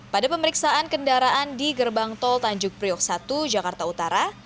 pada pemeriksaan kendaraan di gerbang tol tanjung priok satu jakarta utara